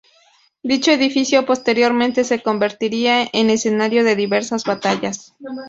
Dicho edificio posteriormente se convertiría en escenario de diversas batallas.